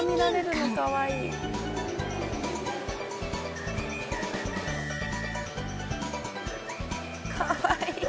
かわいい。